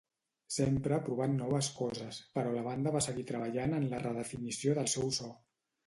Sempre provant noves coses, però la banda va seguir treballant en la redefinició del seu so.